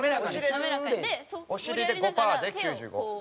お尻で５パーで９５。